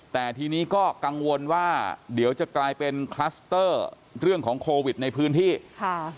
แต่ทีนี้ก็กังวลว่าเดี๋ยวจะกลายเป็นคลัสเตอร์เรื่องของโควิดในพื้นที่ค่ะ